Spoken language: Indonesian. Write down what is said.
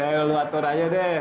eh lo atur aja deh